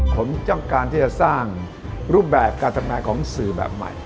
ผมต้องการที่จะสร้างรูปแบบการทำงานของสื่อแบบใหม่